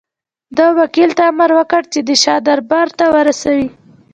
ده وکیل ته امر وکړ چې د شاه دربار ته ورسي.